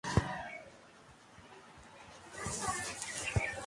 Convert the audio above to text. সৈন্যদেরকে চারটি গ্রুপে বিভক্ত করলেও একটি গ্রুপে সৈন্যসংখ্যা কিছু বেশি রাখা হয়।